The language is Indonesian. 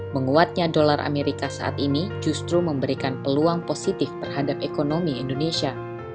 menguatnya dolar amerika saat ini justru memberikan peluang positif terhadap ekonomi indonesia